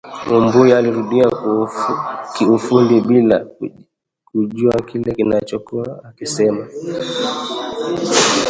Mumbui alirudia kiufundi, bila kujua kile alichokuwa akisema